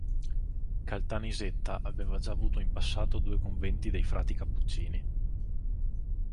Caltanissetta aveva già avuto in passato due conventi dei frati Cappuccini.